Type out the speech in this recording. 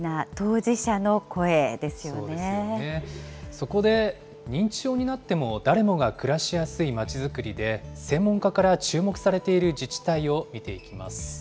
そこで、認知症になっても誰もが暮らしやすいまちづくりで、専門家から注目されている自治体を見ていきます。